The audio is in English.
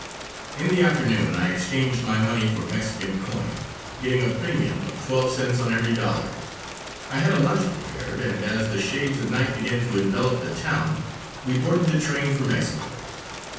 In the afternoon I exchanged my money for Mexican coin, getting a premium of twelve cents on every dollar. I had a lunch prepared, and as the shades of night began to envelop the town, we boarded the train for Mexico.